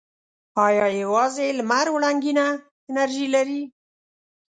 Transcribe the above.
آیا یوازې لمر وړنګینه انرژي لري؟